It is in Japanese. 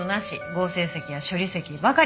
合成石や処理石ばかり。